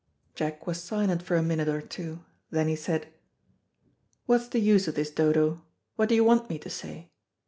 Jack was silent for a minute or two, then he said, "What is the use of this, Dodo? What do you want me to say?"